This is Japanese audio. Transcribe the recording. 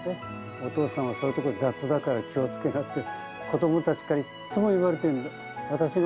お父さん、そういうところ雑だから気をつけなって、子どもたちからいっつも言われてるの。